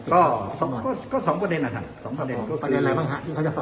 ก็สองก็สองประเด็นอ่ะครับสองประเด็นก็คือประเด็นอะไรบ้างฮะ